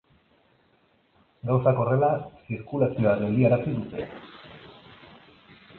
Gauzak horrela, zirkulazioa geldiarazi dute.